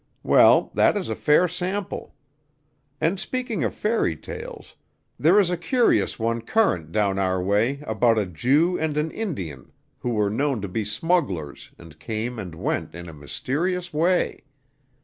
Well, that is a fair sample. And speaking of fairy tales, there is a curious one current down our way about a Jew and an Indian who were known to be smugglers and came and went in a mysterious way.